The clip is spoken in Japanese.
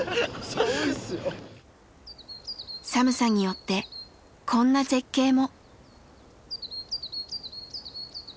寒さによってこんな絶景も！